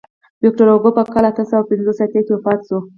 ویکتور هوګو په کال اته سوه پنځه اتیا کې وفات شو.